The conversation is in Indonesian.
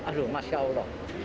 aduh masya allah